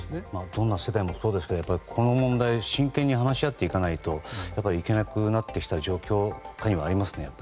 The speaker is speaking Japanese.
どんな世代もそうですがこの問題を真剣に話し合っていかないといけなくなった状況になってきていますよね。